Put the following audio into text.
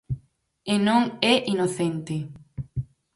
E non é inocente.